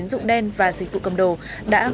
công ty chúng ta